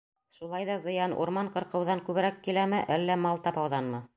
— Шулай ҙа зыян урман ҡырҡыуҙан күберәк киләме, әллә мал тапауҙанмы?